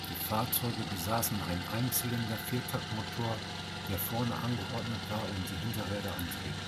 Die Fahrzeuge besaßen einen Einzylinder-Viertaktmotor, der vorne angeordnet war und die Hinterräder antrieb.